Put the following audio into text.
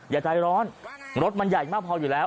อย่าใจร้อนรถมันใหญ่มากพออยู่แล้ว